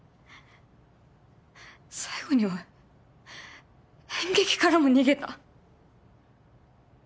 最後には演劇からも逃げた。